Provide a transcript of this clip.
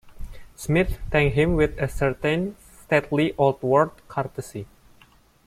Smith thanked him with a certain stately old world courtesy.